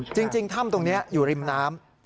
จริงถ้ำตรงนี้อยู่ริมน้ำ